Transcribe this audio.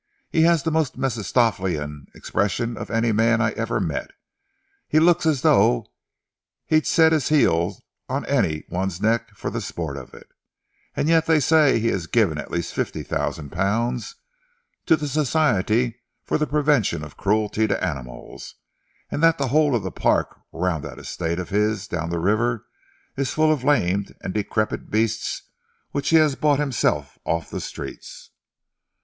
He has the most Mephistophelian expression of any man I ever met looks as though he'd set his heel on any one's neck for the sport of it and yet they say he has given at least fifty thousand pounds to the Society for the Prevention of Cruelty to Animals, and that the whole of the park round that estate of his down the river is full of lamed and decrepit beasts which he has bought himself off the streets."